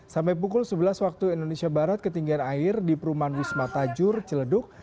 sampai pukul sebelas waktu indonesia barat ketinggian air di perumahan wisma tajur ciledug